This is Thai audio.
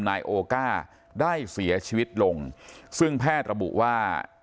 นายโอก้าได้เสียชีวิตลงซึ่งแพทย์ระบุว่า